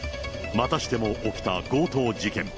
またしても起きた強盗事件。